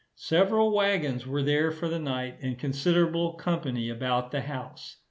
Several waggons were there for the night, and considerable company about the house.